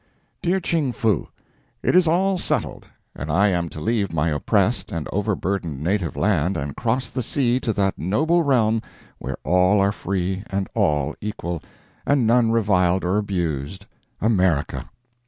DEAR CHING FOO: It is all settled, and I am to leave my oppressed and overburdened native land and cross the sea to that noble realm where all are free and all equal, and none reviled or abused America!